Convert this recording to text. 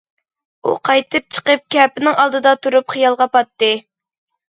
ئۇ قايتىپ چىقىپ كەپىنىڭ ئالدىدا تۇرۇپ خىيالغا پاتتى.